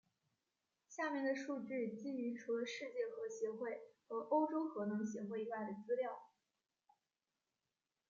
下面的列表数据基于除了世界核协会和欧洲核能协会以外的资料。